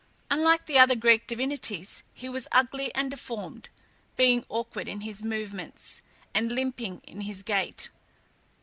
Unlike the other Greek divinities, he was ugly and deformed, being awkward in his movements, and limping in his gait.